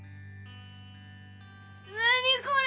何これ！